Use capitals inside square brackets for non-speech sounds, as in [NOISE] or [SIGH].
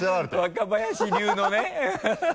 若林流のね [LAUGHS]